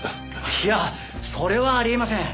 いやそれはあり得ません。